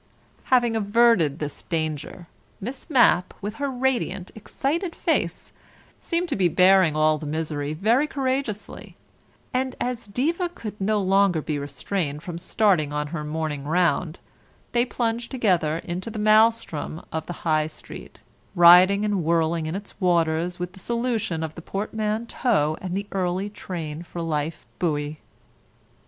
Having averted this danger, Miss Mapp, with her radiant, excited face, seemed to be bearing all the misery very courageously, and as Diva could no longer be restrained from starting on her morning round they plunged together into the maelstrom of the High Street, riding and whirling in its waters with the solution of the portmanteau and the early train for life buoy.